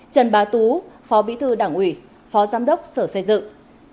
trần bá tú phó bí thư đảng ủy phó giám đốc sở xây dựng